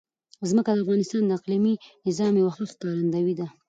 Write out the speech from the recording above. ځمکه د افغانستان د اقلیمي نظام یوه ښه ښکارندوی ده.